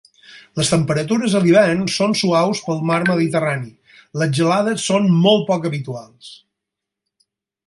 Les temperatures a l'hivern són suaus pel Mar Mediterrani; les gelades són molt poc habituals.